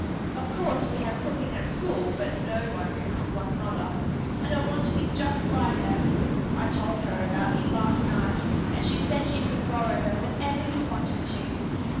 Of course we have cooking at school but no one can cook like mother, and I want to be just like her. I told her about you last night, and she said you could borrow her whenever you wanted to."